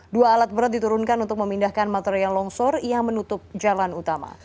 dua alat berat diturunkan untuk memindahkan material longsor yang menutup jalan utama